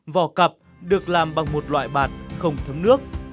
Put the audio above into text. vỏ cặp được làm bằng một loại bạt không thấm nước